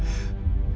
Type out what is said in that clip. gua gak terima